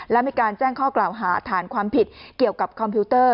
และมีการแจ้งข้อกล่าวหาฐานความผิดเกี่ยวกับคอมพิวเตอร์